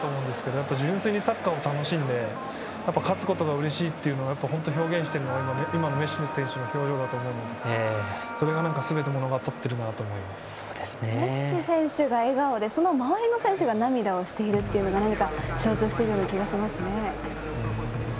やっぱり純粋にサッカーを楽しみ勝つことがうれしいというのを本当に表現しているのが今のメッシ選手の表情だと思うのでそれがすべて物語っているなとメッシ選手が笑顔でその周りの選手が涙しているというのが何か象徴している気がしますね。